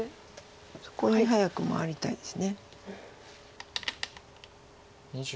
そこに早く回りたいです。